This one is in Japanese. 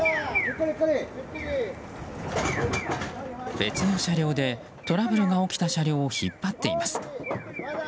別の車両でトラブルが起きた車両を引っ張っています。